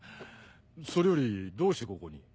それよりどうしてここに？